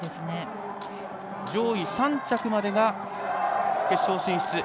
上位３着までが決勝進出。